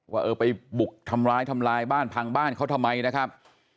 ว่าเออไปบุกทำร้ายทำลายบ้านพังบ้านเขาทำไมนะครับ